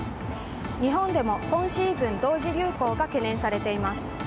日本でも、今シーズン同時流行が懸念されています。